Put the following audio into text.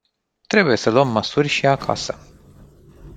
Trebuie să luăm măsuri și acasă.